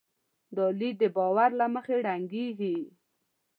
دا لید د باور له مخې رنګېږي.